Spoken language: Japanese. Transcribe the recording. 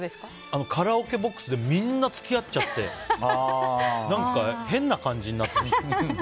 カラオケボックスでみんな付き合っちゃって変な感じになってました。